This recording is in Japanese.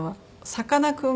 さかなクン。